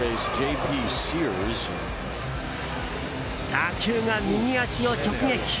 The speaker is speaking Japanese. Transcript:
打球が右足を直撃！